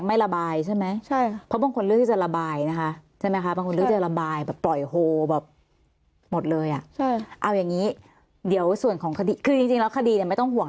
ไม่แสดงไม่ระบายใช่ไหม